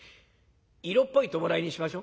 色っぽい葬式にしましょ」。